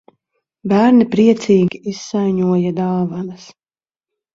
Bērni priecīgi izsaiņoja dāvanas.